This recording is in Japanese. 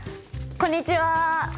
こんにちは。